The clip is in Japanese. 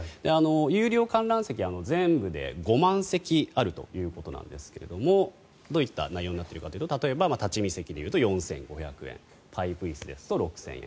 有料観覧席は全部で５万席あるということなんですがどういった内容になっているかというと例えば立ち見席では４５００円パイプ椅子ですと６０００円